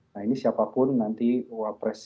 nah ini siapapun nanti wapres